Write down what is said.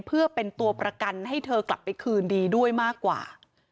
เพื่อเป็นตัวประกันให้เธอกลับไปคืนดีด้วยมากกว่า